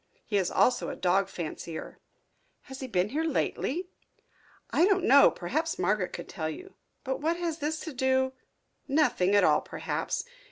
He is also a dog fancier." "Has he been here lately?" "I don't know. Perhaps Margaret could tell you. But what has this to do " "Nothing at all, perhaps.